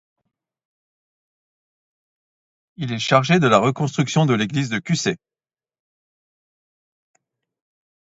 Il est chargé de la reconstruction de l'église de Cusset.